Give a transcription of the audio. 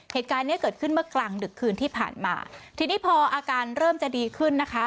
เหตุการณ์เนี้ยเกิดขึ้นเมื่อกลางดึกคืนที่ผ่านมาทีนี้พออาการเริ่มจะดีขึ้นนะคะ